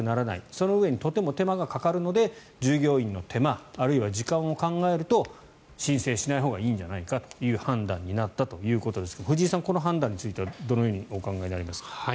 そのうえとても手間がかかるので従業員の手間あるいは時間を考えると申請しないほうがいいんじゃないかという判断になったということですが藤井さん、この判断についてはどのようにお考えになりますか。